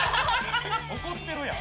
怒ってるやん。